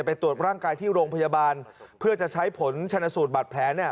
ไปตรวจร่างกายที่โรงพยาบาลเพื่อจะใช้ผลชนสูตรบาดแผลเนี่ย